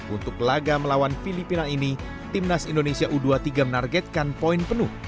untuk laga melawan filipina ini timnas indonesia u dua puluh tiga menargetkan poin penuh